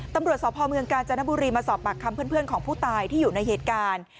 ตำรวจสพเมืองกาญจนบุรีมาสอบปากคำเพื่อนของผู้ตายที่อยู่ในเหตุการณ์